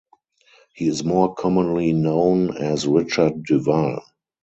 He is more commonly known as Richard Duval.